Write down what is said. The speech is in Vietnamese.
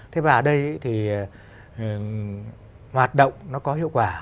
thế và ở đây thì hoạt động nó có hiệu quả